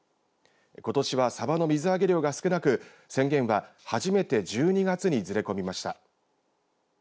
ことしはさばの水揚げ量が少なく宣言は初めて１２月にずれ込みました。